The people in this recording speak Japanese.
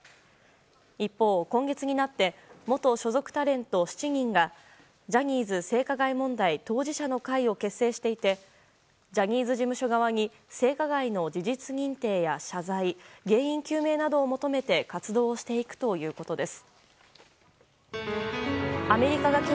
一方、今月になって元所属タレント７人がジャニーズ性加害問題当事者の会を結成していてジャニーズ事務所側に性加害の事実認定や謝罪原因究明などを求めて活動をしていくということです。